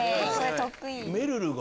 めるるが。